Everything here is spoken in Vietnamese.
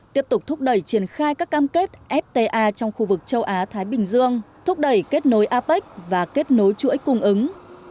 tiếp tục thúc đẩy triển khai các cam kết fta trong khu vực châu á thái bình dương thúc đẩy kết nối apec và kết nối chuỗi cung ứng